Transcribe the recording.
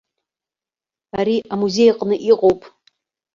Ари амузеи аҟны иҟоуп.